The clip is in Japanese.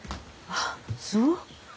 あっそう。